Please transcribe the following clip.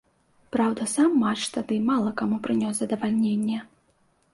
Праўда, сам матч тады мала каму прынёс задавальненне.